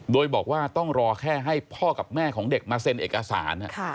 โดยบอกว่าต้องรอแค่ให้พ่อกับแม่ของเด็กมาเซ็นเอกสาร